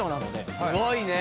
すごいね！